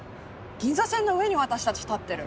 銀座線の上に私たち立ってる。